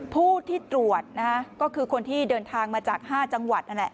ผู้ที่ตรวจนะฮะก็คือคนที่เดินทางมาจาก๕จังหวัดนั่นแหละ